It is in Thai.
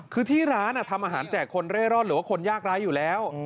คือที่ร้านทำอาหารแจกคนเร่ร่อนหรือว่าคนยากร้ายอยู่แล้ว